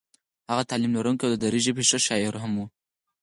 هغه تعلیم لرونکی او د دري ژبې ښه شاعر هم و.